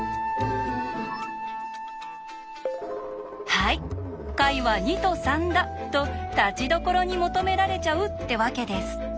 はい解は２と３だとたちどころに求められちゃうってわけです。